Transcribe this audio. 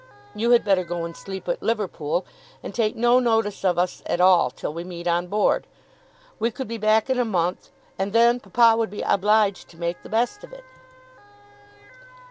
You had better go and sleep at Liverpool, and take no notice of us at all till we meet on board. We could be back in a month, and then papa would be obliged to make the best of it."